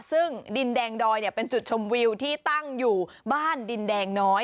ซึ่งดินแดงดอยเป็นจุดชมวิวที่ตั้งอยู่บ้านดินแดงน้อย